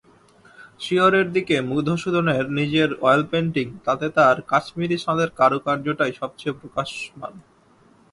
শিয়রের দিকে মধুসূদনের নিজের অয়েলপেন্টিং, তাতে তার কাশ্মীরি শালের কারুকার্যটাই সব চেয়ে প্রকাশমান।